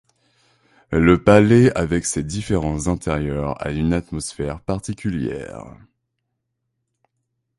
Le palais avec ses différents intérieurs a une atmosphère particulière.